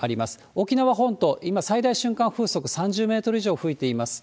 沖縄本島、今、最大瞬間風速３０メートル以上吹いています。